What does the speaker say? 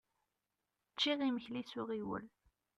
Ččiɣ imekli s uɣiwel.